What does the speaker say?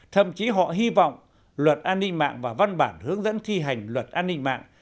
thậm chí họ hy vọng luật an ninh mạng và văn bản hướng dẫn thi hành luật an ninh mạng